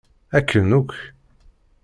Akken akk!